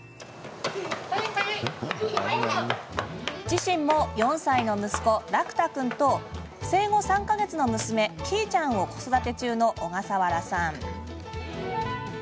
自身も４歳の息子楽汰君と生後３か月の娘希色ちゃんを子育て中の小笠原さん。